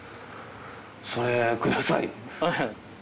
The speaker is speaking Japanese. それください。